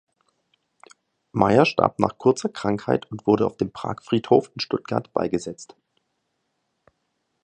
Maier starb nach kurzer Krankheit und wurde auf dem Pragfriedhof in Stuttgart beigesetzt.